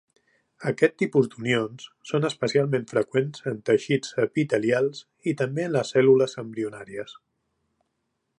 Aquest tipus d'unions són especialment freqüents en teixits epitelials i també en les cèl·lules embrionàries.